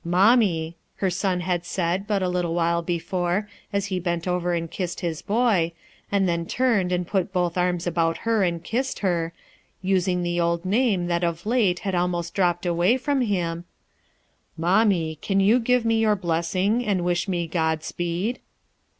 "Mommie," her son had said but a little while before as he bent over and kissed his boy, and then turned and put both arms about her and kissed her, using the old name that of late had almost dropped away from him :— "Mommie, can you give me your blessing and wish me Godspeed?"